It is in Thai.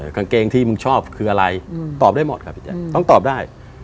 กางเกงที่มึงชอบคืออะไรตอบได้หมดครับพี่แจ๊คต้องตอบได้